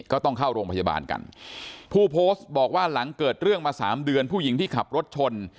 ต้องเข้าโรงพยาบาลกันผู้โพสต์บอกว่าหลังเกิดเรื่องมาสามเดือนผู้หญิงที่ขับรถชน